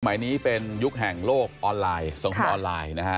ใหม่นี้เป็นยุคแห่งโลกออนไลน์สำหรับออนไลน์นะฮะ